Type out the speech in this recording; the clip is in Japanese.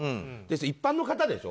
一般の方でしょ。